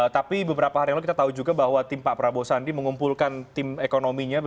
tapi beberapa hari yang lalu kita tahu juga bahwa tim pak prabowo sandi mengumpulkan tim ekonominya